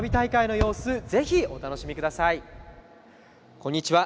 こんにちは。